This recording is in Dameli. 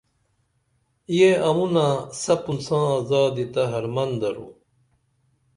یہ امونہ سپُن ساں زادی تہ درو حرمن